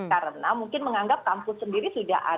karena mungkin menganggap kampus sendiri sudah ada